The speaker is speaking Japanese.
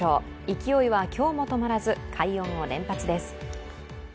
勢いは今日も止まらず快音を連発です。